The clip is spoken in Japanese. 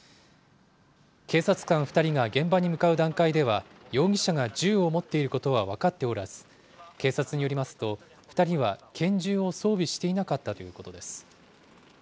警察官２人が現場に向かう段階では容疑者が銃を持っていることは分かっておらず、警察によりますと、２人は拳銃を装備していなかったということです。